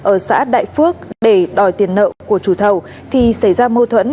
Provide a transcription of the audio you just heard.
ở xã đại phước để đòi tiền nợ của chủ thầu thì xảy ra mâu thuẫn